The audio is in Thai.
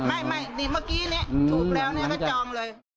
ไม่ดีเมื่อกี้เนี่ยถูกแล้วเนี่ยก็จองเลย